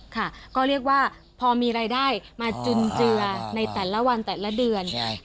ค่ะก็เรียกว่าพอมีรายได้มาจุนเจือในแต่ละวันแต่ละเดือน